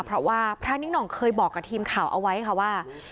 เพราะว่าพระนิ่งห่องเคยบอกกับทีมข่าวเอาไว้ค่ะว่า